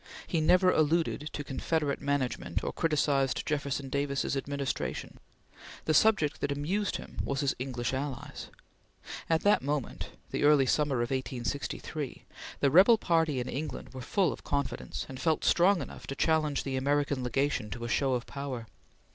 He never alluded to Confederate management or criticised Jefferson Davis's administration. The subject that amused him was his English allies. At that moment the early summer of 1863 the rebel party in England were full of confidence, and felt strong enough to challenge the American Legation to a show of power.